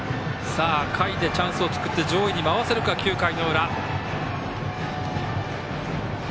下位でチャンスを作って上位に回せるか、９回の裏。